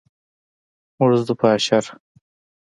موږ ځو په اشر.